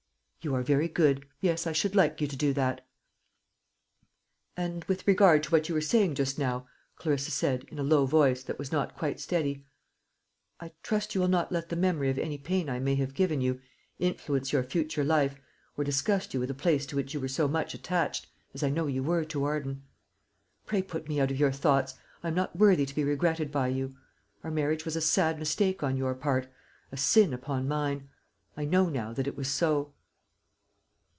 "You are very good. Yes, I should like you to do that." "And with regard to what you were saying just now," Clarissa said, in a low voice, that was not quite steady, "I trust you will not let the memory of any pain I may have given you influence your future life, or disgust you with a place to which you were so much attached as I know you were to Arden. Pray put me out of your thoughts. I am not worthy to be regretted by you. Our marriage was a sad mistake on your part a sin upon mine. I know now that it was so."